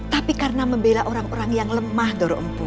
tapi karena membela orang orang yang lemah doro empu